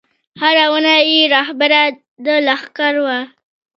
هره ونه یې رهبره د لښکر وه